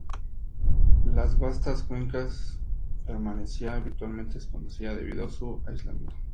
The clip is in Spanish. Las vastas cuencas permanecía virtualmente desconocida debido a su aislamiento.